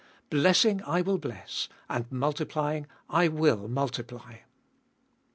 Blessing I will bless, and multiplying I will multiply.